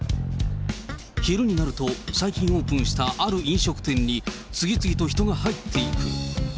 昼になると、最近オープンしたある飲食店に、次々と人が入っていく。